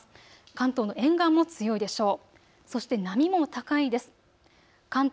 関東の沿岸も強いでしょう。